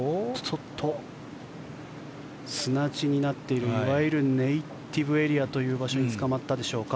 砂地になっているいわゆるネイティブエリアという場所につかまったでしょうか。